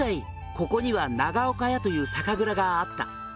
ここには長岡屋という酒蔵があった」